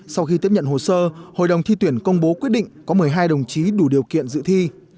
sau khi tiếp nhận hồ sơ hội đồng thi tuyển công bố quyết định có một mươi hai đồng chí đủ điều kiện dự thi